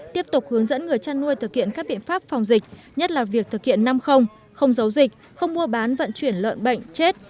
tiếp tục hướng dẫn người chăn nuôi thực hiện các biện pháp phòng dịch nhất là việc thực hiện năm không giấu dịch không mua bán vận chuyển lợn bệnh chết